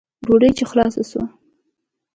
ډوډۍ چې خلاصه سوه.